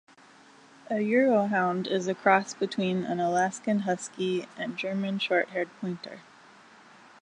A Eurohound is a cross between an Alaskan husky and German Shorthaired Pointer...